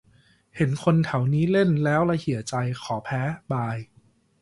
เห็นคนแถวนี้เล่น แล้วละเหี่ยใจ ขอแพ้บาย